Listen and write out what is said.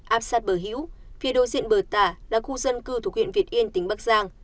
áp sát bờ hữu phía đối diện bờ tả là khu dân cư thuộc huyện việt yên tỉnh bắc giang